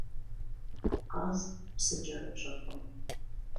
Къаз псы кӏэрыпщӏэркъым.